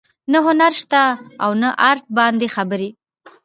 نه هنر شته او نه ارټ باندې خبرې